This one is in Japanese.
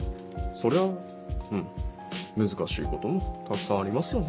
そりゃ難しいこともたくさんありますよね。